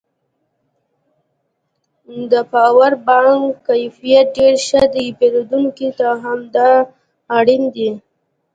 د پاور بانک کیفیت ډېر ښه دی پېرودونکو ته همدا اړین دی